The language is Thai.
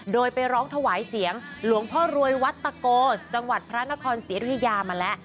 โดยไปร้องถวายเสียงหลวงพ่อรวยวัดตะโกจังหวัดพระนครศรีรุยามาแล้ว